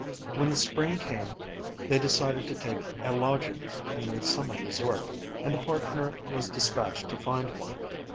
When the spring came they decided to take a lodging in a summer resort, and the partner was despatched to find one.